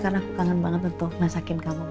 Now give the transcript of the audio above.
karena aku kangen banget untuk masakin kamu